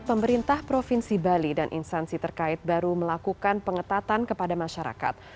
pemerintah provinsi bali dan instansi terkait baru melakukan pengetatan kepada masyarakat